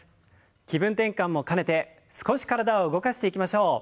気分転換も兼ねて少し体を動かしていきましょう。